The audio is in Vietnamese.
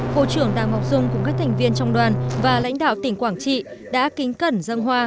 bộ trưởng đào ngọc dung cùng các thành viên trong đoàn và lãnh đạo tỉnh quảng trị đã kính cẩn dân hoa